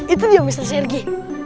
itu dia mr sergi